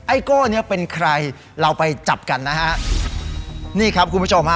โก้เนี้ยเป็นใครเราไปจับกันนะฮะนี่ครับคุณผู้ชมฮะ